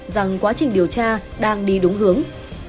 rằng quá trình điều tra đang đi đúng hướng